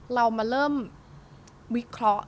เรามาเริ่มวิเคราะห์